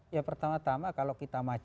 ya pertama tama kalau kita maju